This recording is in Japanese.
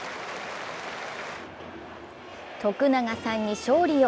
徳永さんに勝利を！